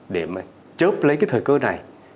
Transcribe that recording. để mà chớp lấy cái thời cơ này